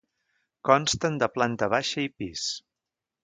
Consten de planta baixa i pis.